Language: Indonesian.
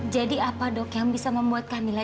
jadi apa dok yang bisa membuat kamila